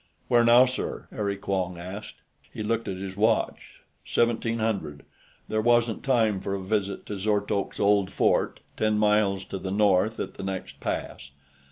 "Where now, sir?" Harry Quong asked. He looked at his watch. Seventeen hundred; there wasn't time for a visit to Zortolk's Old Fort, ten miles to the north at the next pass.